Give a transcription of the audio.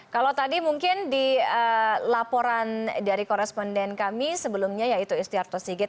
kalau tadi mungkin di laporan dari koresponden kami sebelumnya yaitu istiarto sigit